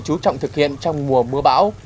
chú trọng thực hiện trong mùa mưa bão